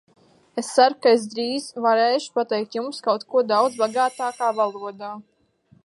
Es ceru, ka drīz es varēšu pateikt jums kaut ko daudz bagātākā valodā.